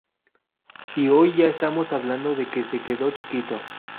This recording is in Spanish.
Y hoy ya estamos hablando de que se quedó chiquito.